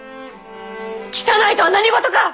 汚いとは何事か！